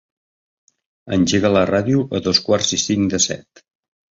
Engega la ràdio a dos quarts i cinc de set.